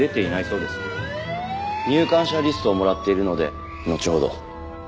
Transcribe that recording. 入館者リストをもらっているのでのちほど。